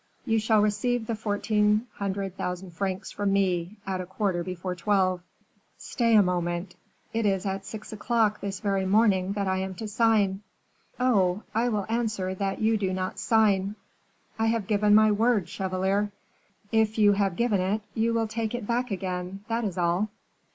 "You shall receive the fourteen hundred thousand francs from me, at a quarter before twelve." "Stay a moment; it is at six o'clock, this very morning, that I am to sign." "Oh! I will answer that you do not sign." "I have given my word, chevalier." "If you have given it, you will take it back again, that is all."